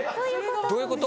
どういうこと？